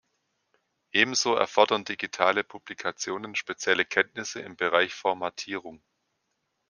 Ebenso erfordern digitale Publikationen spezielle Kenntnisse im Bereich Formatierung.